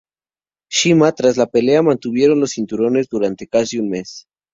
Shima; tras la pelea, mantuvieron los cinturones durante casi un mes.